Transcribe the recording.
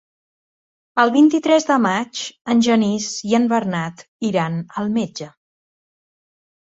El vint-i-tres de maig en Genís i en Bernat iran al metge.